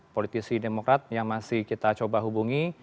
politisi demokrat yang masih kita coba hubungi